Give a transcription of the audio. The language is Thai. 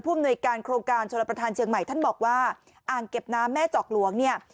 อำนวยการโครงการชลประธานเชียงใหม่ท่านบอกว่าอ่างเก็บน้ำแม่จอกหลวงเนี่ย